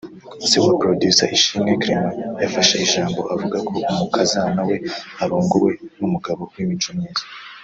se wa Producer Ishimwe Clement yafashe ijambo avuga ko umukazana we arongowe n’umugabo w’imico myiza